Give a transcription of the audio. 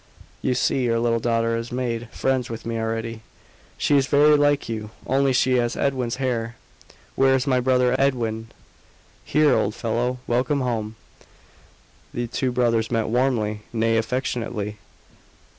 "You see, your little daughter has made friends with me already. She is very like you; only she has Edwin's hair. Where is my brother Edwin?" "Here, old fellow. Welcome home." The two brothers met warmly, nay, affectionately.